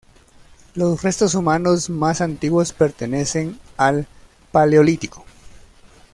Los restos humanos más antiguos pertenecen al paleolítico.